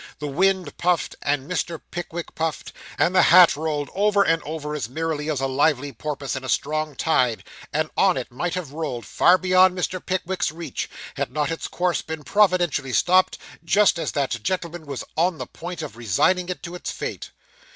The wind puffed, and Mr. Pickwick puffed, and the hat rolled over and over as merrily as a lively porpoise in a strong tide: and on it might have rolled, far beyond Mr. Pickwick's reach, had not its course been providentially stopped, just as that gentleman was on the point of resigning it to its fate.